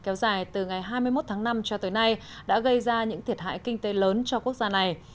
kéo dài từ ngày hai mươi một tháng năm cho tới nay đã gây ra những thiệt hại kinh tế lớn cho quốc gia này